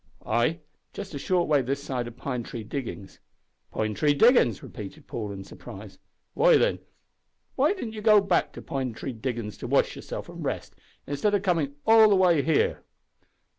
"Ay, just a short way this side o' Pine Tree Diggings." "Pine Tree Diggin's!" repeated Paul in surprise. "Why, then, didn't you go back to Pine Tree Diggin's to wash yourself an' rest, instead o' comin' all the way here?"